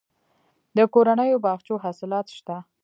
د کورنیو باغچو حاصلات شته